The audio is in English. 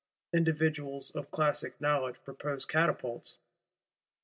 Individuals of classical knowledge propose catapults.